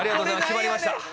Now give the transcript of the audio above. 決まりました！